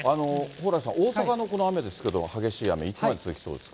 蓬莱さん、大阪のこの雨ですけれども、激しい雨、いつまで続きそうですか。